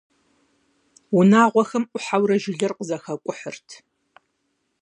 Унагъуэхэм ӏухьэурэ жылэр къызэхакӏухьырт.